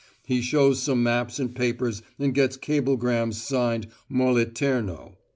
He shows some maps and papers and gets cablegrams signed `Moliterno.'